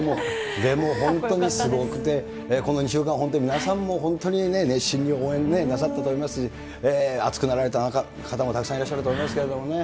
でも本当にすごくて、この２週間、本当に皆さんも本当にね、熱心に応援なさったと思いますし、熱くなられた方もたくさんいらっしゃると思いますけれどもね。